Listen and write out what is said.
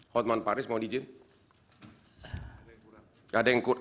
hotman paris mau di jeet